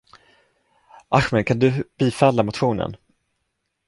Ahmed, kan du bifalla motionen?